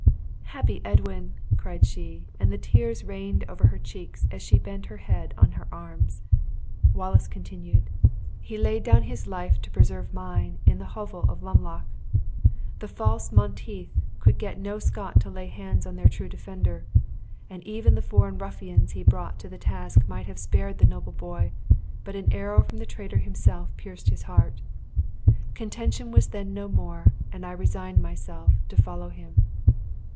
"Happy Edwin!" cried she, and the tears rained over her cheeks as she bent her head on her arms. Wallace continued "He laid down his life to preserve mine in the hovel of Lumloch. The false Monteith could get no Scot to lay hands on their true defender; and even the foreign ruffians he brought to the task might have spared the noble boy, but an arrow from the traitor himself pierced his heart. Contention was then no more, and I resigned myself, to follow him."